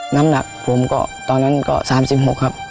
น้ำหนักผมก็ตอนนั้นก็๓๖ครับ